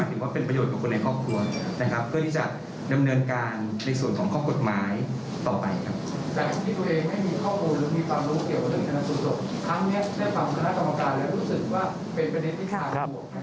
ทั้งนี้ได้ฟังข้างหน้ากรรมการและรู้สึกว่าเป็นประเด็นที่คาดกลัว